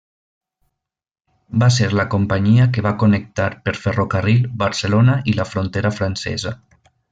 Va ser la companyia que va connectar per ferrocarril Barcelona i la Frontera Francesa.